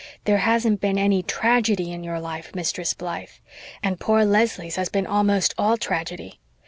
There hasn't been any TRAGEDY in your life, Mistress Blythe. And poor Leslie's has been almost ALL tragedy.